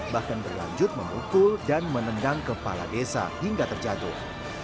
bahkan berlanjut memukul dan menendang kepala desa hingga terjatuh